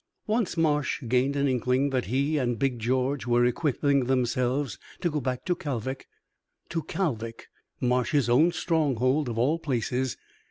Once Marsh gained an inkling that he and Big George were equipping themselves to go back to Kalvik to Kalvik, Marsh's own stronghold, of all places!